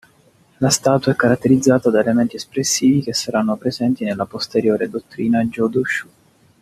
La statua è caratterizzata da elementi espressivi che saranno presenti nella posteriore dottrina Jōdo-shū.